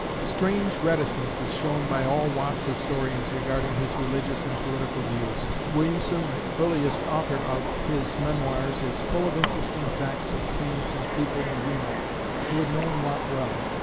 Strange reticence is shown by all Watt's historians regarding his religious and political views. Williamson, the earliest author of his memoirs, is full of interesting facts obtained from people in Greenock who had known Watt well.